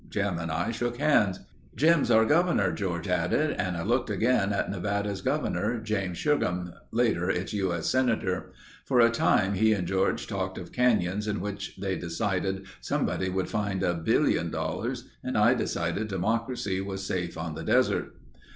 Jim and I shook hands. "Jim's our governor," George added and I looked again at Nevada's Governor James Scrugham, later its U. S. Senator. For an hour he and George talked of canyons in which, they decided, somebody would find a billion dollars and I decided Democracy was safe on the desert.